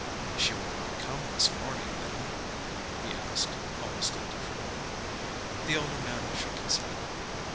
"She will not come this morning, then?" he asked almost indifferently. The older man shook his head.